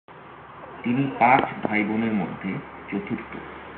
তিনি পাঁচ ভাইবোনের মধ্যে চতুর্থ।